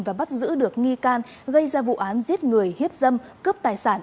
và bắt giữ được nghi can gây ra vụ án giết người hiếp dâm cướp tài sản